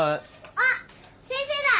あっ先生だ！